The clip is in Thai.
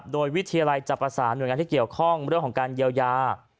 โดยวิทยาลัยจะประสานหน่วยงานที่เกี่ยวข้องเรื่องของการเยียวยา